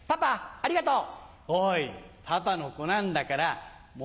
ありがとう！